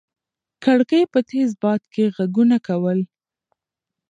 کړکۍ په تېز باد کې غږونه کول.